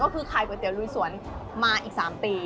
ก็คือขายก๋วยเตี๋ยลุยสวนมาอีก๓ปี